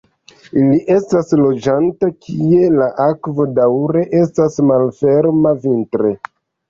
Ili estas loĝanta kie la akvo daŭre estas malferma vintre.